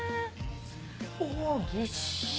おおぎっしり。